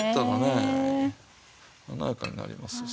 え華やかになりますよ